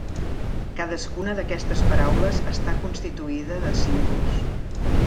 Cadascuna d'aquestes paraules està constituïda de símbols.